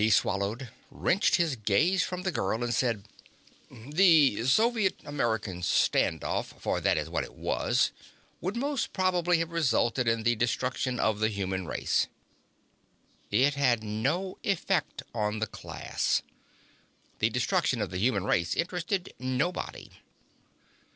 He swallowed, wrenched his gaze from the girl, and said: "The Soviet American standoff for that is what it was would most probably have resulted in the destruction of the human race." It had no effect on the class. The destruction of the human race interested nobody.